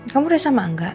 kamu udah sama angga